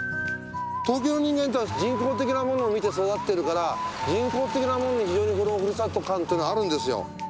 東京の人間は人工的なものを見て育ってるから人工的なものに非常にふるさと感というのはあるんです。